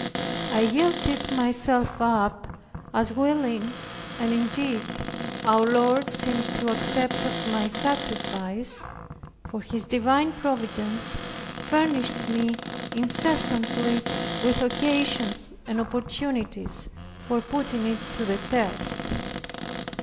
I yielded myself up as willing and indeed our Lord seemed to accept of my sacrifice, for His divine providence furnished me incessantly with occasions and opportunities for putting it to the test.